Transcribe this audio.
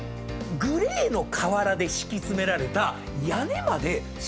グレーの瓦で敷き詰められた屋根まで白く見えません？